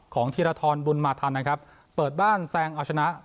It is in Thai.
ของธิรธรบุลมาธันนะครับเปิดบ้านแซงอาชณะ